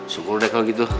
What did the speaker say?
syukur deh kalau gitu